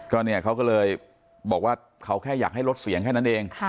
ก็เนี่ยเขาก็เลยบอกว่าเขาแค่อยากให้ลดเสียงแค่นั้นเอง